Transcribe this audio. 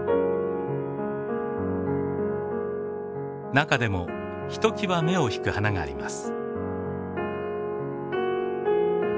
中でもひときわ目を引く花があります。